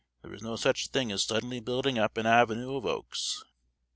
there was no such thing as suddenly building up an avenue of oaks."